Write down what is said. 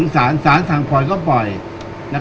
การสำรรค์ของเจ้าชอบใช่